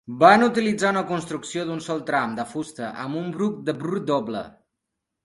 Van utilitzar una construcció d'un sol tram, de fusta, amb un arc de Burr doble.